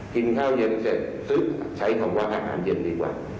กินข้าวเย็นเสร็จใช้คำว่าอาหารเย็นดีกว่า